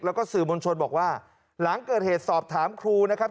แล้วก็สื่อมวลชนบอกว่าหลังเกิดเหตุสอบถามครูนะครับ